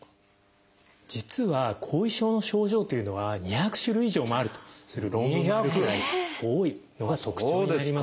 実は後遺症の症状というのは２００種類以上もあるとする論文があるくらい多いのが特徴になります。